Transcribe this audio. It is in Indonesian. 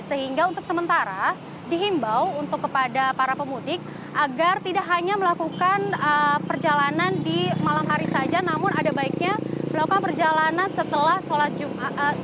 sehingga untuk sementara dihimbau untuk kepada para pemudik agar tidak hanya melakukan perjalanan di malam hari saja namun ada baiknya melakukan perjalanan setelah sholat jumat